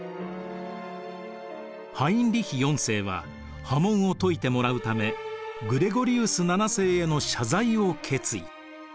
ハインリヒ４世は破門を解いてもらうためグレゴリウス７世への謝罪を決意。